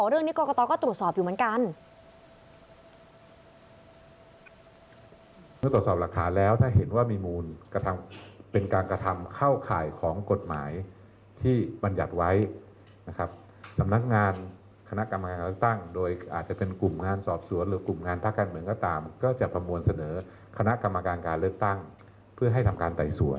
เขาก็บอกว่าเรื่องนี้กรกตก็ตรวจสอบอยู่เหมือนกัน